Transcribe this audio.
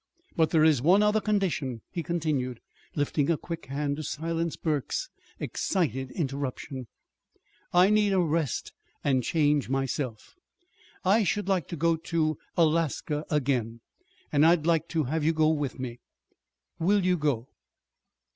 But there is one other condition," he continued, lifting a quick hand to silence Burke's excited interruption. "I need a rest and change myself. I should like to go to Alaska again; and I'd like to have you go with me. Will you go?"